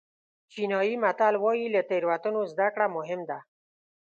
چینایي متل وایي له تېروتنو زده کړه مهم ده.